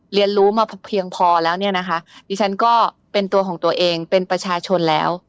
เรียนรู้มาเพียงพอแล้วเนี่ยนะคะดิฉันก็เป็นตัวของตัวเองเป็นประชาชนแล้ว